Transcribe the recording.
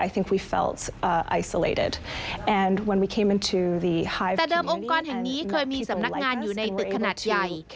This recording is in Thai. แต่เดิมองค์กรแห่งนี้เคยมีสำนักงานอยู่ในตึกขนาดใหญ่